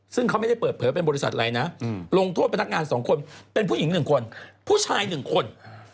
ซึ่งเขาไม่ได้เปิดเผยว่าเป็นบริษัทอะไรนะลงโทษเป็นนักงานสองคนเป็นผู้หญิงหนึ่งคนผู้ชายหนึ่งคน